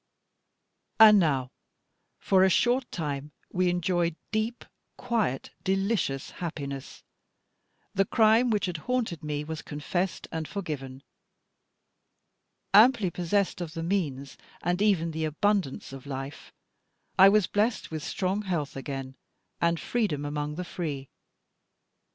And now, for a short time, we enjoyed deep, quiet, delicious happiness. The crime which had haunted me was confessed and forgiven. Amply possessed of the means, and even the abundance of life, I was blessed with strong health again, and freedom among the free.